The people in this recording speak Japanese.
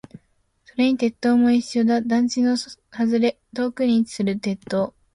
それに鉄塔も一緒だ。団地の外れ、遠くに位置する鉄塔。